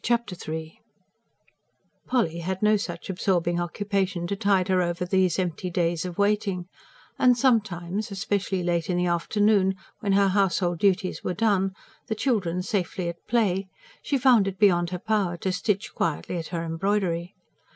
Chapter III Polly had no such absorbing occupation to tide her over these empty days of waiting; and sometimes especially late in the afternoon, when her household duties were done, the children safely at play she found it beyond her power to stitch quietly at her embroidery.